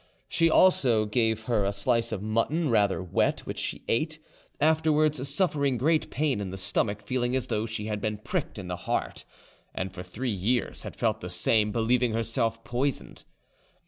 She also gave her a slice of mutton, rather wet, which she ate, afterwards suffering great pain in the stomach, feeling as though she had been pricked in the heart, and for three years had felt the same, believing herself poisoned.